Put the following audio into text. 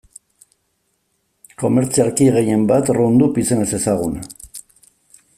Komertzialki gehien bat Roundup izenez ezaguna.